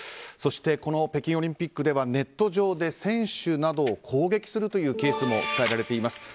そしてこの北京オリンピックではネット上で選手などを攻撃するというケースも伝えられています。